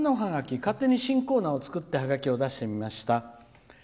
「勝手に新コーナーを作ってハガキを出してみました。